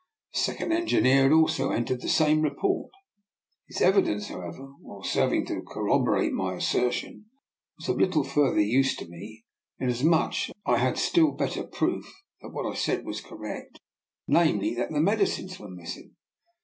The second /engi neer had also entered the same reporjt; his evidence, however, while serving to corjrobo rate my assertion, was of little further ilise to me, inasmuch as I had still better procif that what I said was correct — namely, thJit the medicines were missing.